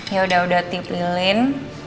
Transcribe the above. ya udah udah tipilin